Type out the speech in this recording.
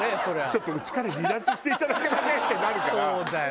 「ちょっとうちから離脱していただけません？」ってなるからやりすぎは。